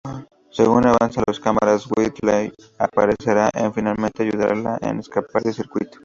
Según avanza por las cámaras, Wheatley aparecerá para finalmente ayudarla a escapar del circuito.